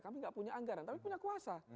kami tidak punya anggaran tapi punya kuasa